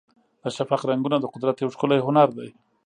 د شفق رنګونه د قدرت یو ښکلی هنر دی.